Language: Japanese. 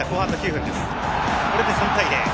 これで３対０。